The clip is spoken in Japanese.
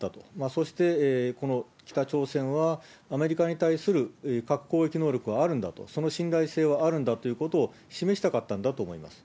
そして、北朝鮮はアメリカに対する核攻撃能力はあるんだと、その信頼性はあるんだということを示したかったんだと思います。